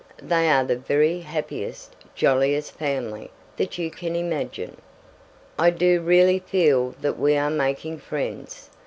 They are the very happiest, jolliest family that you can imagine. I do really feel that we are making friends.